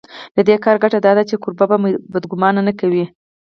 د دې کار ګټه دا ده چې کوربه بد ګومان نه کوي.